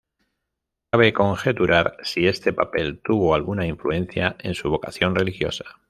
Cabe conjeturar si este papel tuvo alguna influencia en su vocación religiosa.